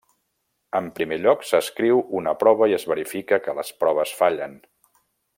En primer lloc, s'escriu una prova i es verifica que les proves fallen.